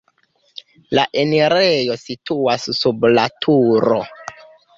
La enirejo situas sub la turo.